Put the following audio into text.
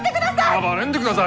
暴れんでください！